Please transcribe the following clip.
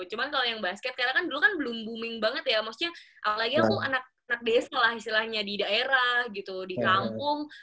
cuma kalau yang basket karena kan dulu kan belum booming banget ya maksudnya apalagi aku anak anak desa lah istilahnya di daerah gitu di kampung